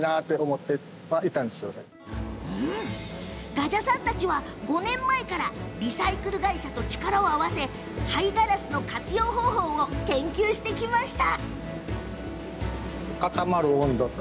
我謝さんたちは５年前からリサイクル会社と力を合わせ廃ガラスの活用方法を研究してきました。